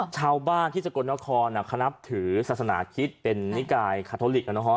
ชาวบ้านที่สกลนครเขานับถือศาสนาคิดเป็นนิกายคาทอลิก